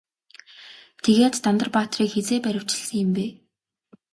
Тэгээд Дандар баатрыг хэзээ баривчилсан юм бэ?